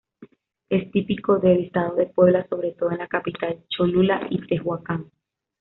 Es típico del estado de Puebla, sobre todo en la capital, Cholula y Tehuacán.